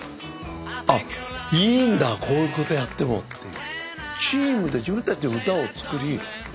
「あっいいんだこういう事やっても」っていう。